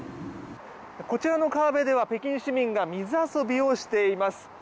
こちらの河辺では北京市民が水遊びをしています。